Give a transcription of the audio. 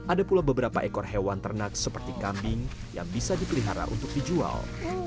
ada pula beberapa ekor hewan ternak seperti kambing yang bisa dipelihara untuk dijual